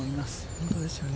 本当ですよね。